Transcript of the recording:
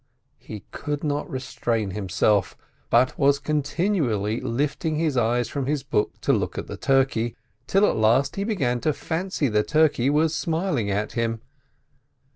He could not restrain himself, but was con tinually lifting his eyes from his book to look at the turkey, till at last he began to fancy the turkey was smiling at him.